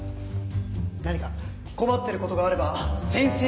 何か困ってることがあれば先生に。